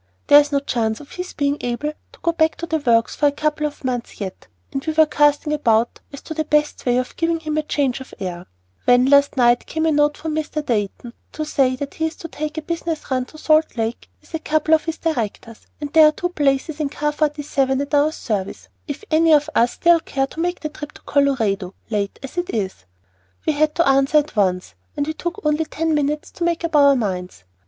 There is no chance of his being able to go back to the works for a couple of months yet, and we were casting about as to the best way of giving him a change of air, when, last night, came a note from Mr. Dayton to say that he has to take a business run to Salt Lake, with a couple of his directors, and there are two places in car 47 at our service if any of us still care to make the trip to Colorado, late as it is. We had to answer at once, and we took only ten minutes to make up our minds.